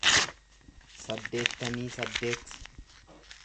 saddeettamii saddeet